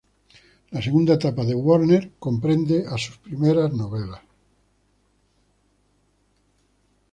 La segunda etapa de Warner comprende a sus primeras novelas.